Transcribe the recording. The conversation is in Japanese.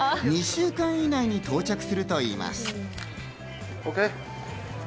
２週間以内に到着するといいます。